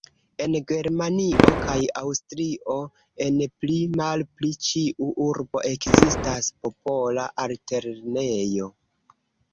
En Germanio kaj Aŭstrio, en pli-malpli ĉiu urbo ekzistas popola altlernejo.